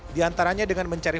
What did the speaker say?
di antaranya dengan mencari